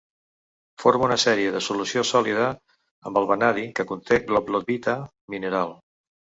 Forma una sèrie de solució sòlida amb el vanadi que conté gottlobita mineral.